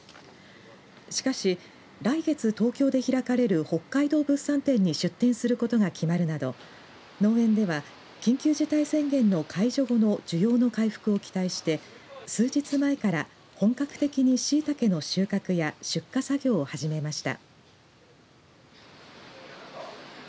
しかし、来月東京で開かれる北海道物産展に出展することが決まるなど農園では緊急事態宣言の解除後の需要の回復を期待して数日前から本格的にしいたけの収穫や出荷作業を始めました。